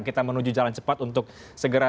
kita menuju jalan cepat untuk segera